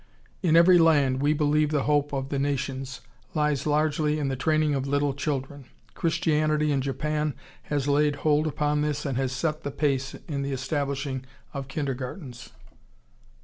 In every land we believe the hope of the nations lies largely in the training of little children. Christianity in Japan has laid hold upon this and has set the pace in the establishing of kindergartens....